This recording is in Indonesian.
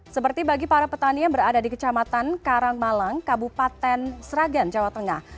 seperti bagi para petani yang berada di kecamatan karangmalang kabupaten sragen jawa tengah